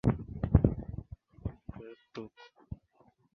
Lengo kuu la Karume lilikuwa ni kuzivunja nguvu za wanaharakati wa Umma Party